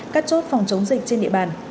các chốt phòng chống dịch trên địa bàn